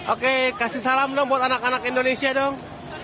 oke kasih salam dong buat anak anak indonesia dong